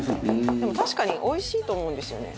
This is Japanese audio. でも確かにおいしいと思うんですよね